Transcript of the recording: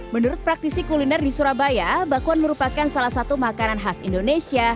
menurut praktisi kuliner di surabaya bakwan merupakan salah satu makanan khas indonesia